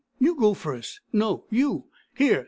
You go first!" "No, you. Here!